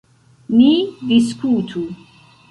Ni diskutu.